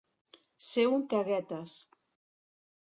Ser un caguetes.